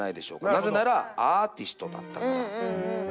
なぜならアーティストだったから。